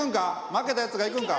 負けたやつが行くんか？